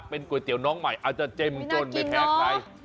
เป็นก๋วยเตี๋ยวน้องใหม่อาจจะเจ้มจนไม่แพ้ใคร